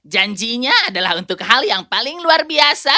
janjinya adalah untuk hal yang paling luar biasa